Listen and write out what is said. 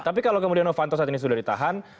tapi kalau kemudian novanto saat ini sudah ditahan